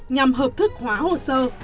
nhằm hợp thức hóa hồ sơ